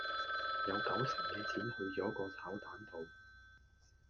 有九成嘅錢去咗個炒蛋度